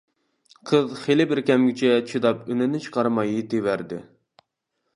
قىز خېلى بىر كەمگىچە چىداپ ئۈنىنى چىقارماي يېتىۋەردى.